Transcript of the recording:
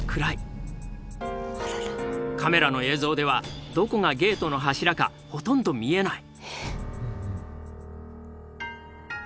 カメラの映像ではどこがゲートの柱かほとんど見えない。